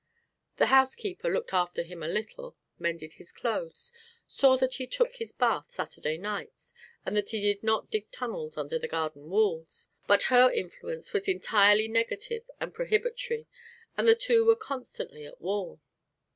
The housekeeper looked after him a little, mended his clothes, saw that he took his bath Saturday nights, and that he did not dig tunnels under the garden walks. But her influence was entirely negative and prohibitory and the two were constantly at war.